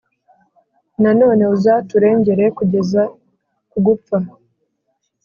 Nanone uzaturengere kugeza kugupfa